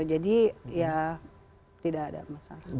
jadi ya tidak ada masalah